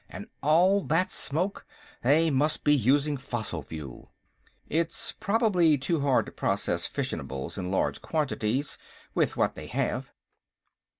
And all that smoke! They must be using fossil fuel!" "It's probably too hard to process fissionables in large quantities, with what they have."